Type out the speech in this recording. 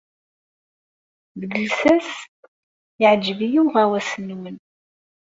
Deg llsas, yeɛjeb-iyi uɣawas-nwen.